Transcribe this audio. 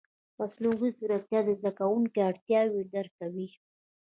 مصنوعي ځیرکتیا د زده کوونکو اړتیاوې درک کوي.